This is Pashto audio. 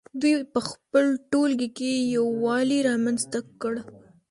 دوی په خپل ټولګي کې یووالی رامنځته کړ.